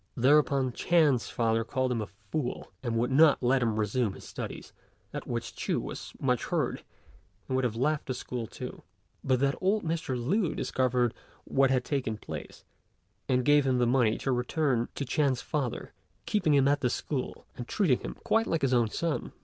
Thereupon Ch'ên's father called him a fool, and would not let him resume his studies; at which Ch'u was much hurt, and would have left the school too, but that old Mr. Lü discovered what had taken place, and gave him the money to return to Ch'ên's father, keeping him still at the school, and treating him quite like his own son.